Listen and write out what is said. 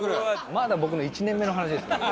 まだ僕の１年目の話ですからね。